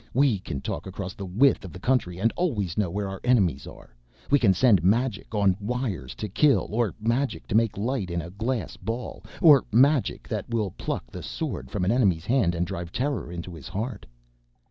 "We can talk across the width of the country and always know where our enemies are. We can send magic on wires to kill, or magic to make light in a glass ball or magic that will pluck the sword from an enemy's hand and drive terror into his heart."